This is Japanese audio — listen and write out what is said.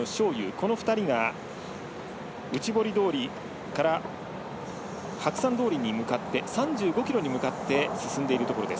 この２人が内堀通りから白山通りに向かって３５ｋｍに向かって進んでいるところです。